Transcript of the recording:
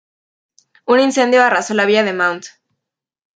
Un incendio arrasó la Villa de Mt.